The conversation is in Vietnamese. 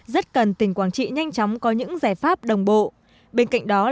rất cần tỉnh quảng trị nhanh chóng có những giải pháp đồng bộ